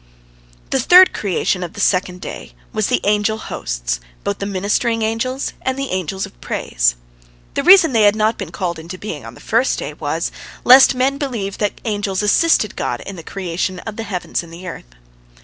The third creation of the second day was the angel hosts, both the ministering angels and the angels of praise. The reason they had not been called into being on the first day was, lest men believe that the angels assisted God in the creation of the heavens and the earth.